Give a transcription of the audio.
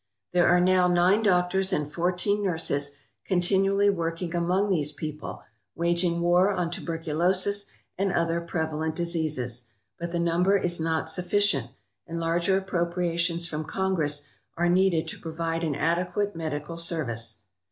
There are now nine doctors and fourteen nurses continually working among these people, waging war on tuberculosis and other prevalent diseases, but the number is not sufficient, and larger appropriations from Congress are needed to provide an adequate medical service.